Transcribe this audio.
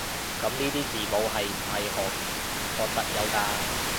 噉呢啲字母係唔係俄國特有㗎？